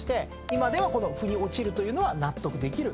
今ではこの腑に落ちるというのは納得できる。